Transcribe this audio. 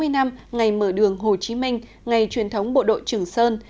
sáu mươi năm ngày mở đường hồ chí minh ngày truyền thống bộ đội trường sơn